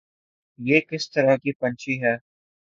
یہ کس طرح کی پنچھی ہے